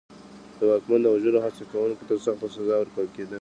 د واکمن د وژلو هڅه کوونکي ته سخته سزا ورکول کېده.